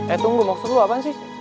eh tunggu maksud lu apa sih